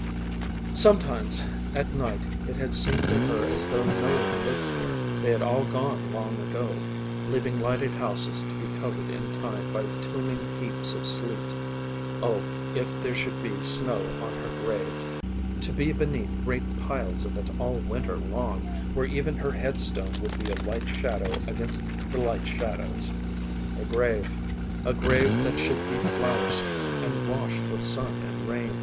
Sometimes at night it had seemed to her as though no one lived here they had all gone long ago leaving lighted houses to be covered in time by tombing heaps of sleet. Oh, if there should be snow on her grave! To be beneath great piles of it all winter long, where even her headstone would be a light shadow against light shadows. Her grave a grave that should be flower strewn and washed with sun and rain.